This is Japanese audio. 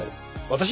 私？